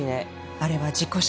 あれは事故死。